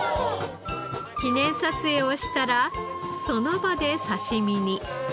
記念撮影をしたらその場で刺し身に。